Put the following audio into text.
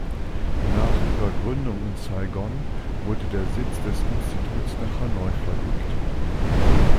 Nach ihrer Gründung in Saigon wurde der Sitz des Instituts nach Hanoi verlegt.